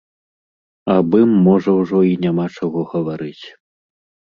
Аб ім можа ўжо і няма чаго гаварыць.